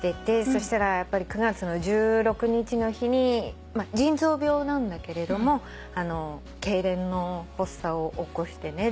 そしたら９月の１６日の日に腎臓病なんだけれどもけいれんの発作を起こしてね。